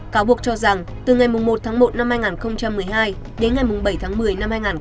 cáo buộc cho rằng từ ngày một tháng một năm hai nghìn một mươi hai đến ngày bảy tháng một